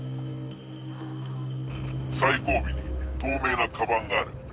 最後尾に透明なカバンがある。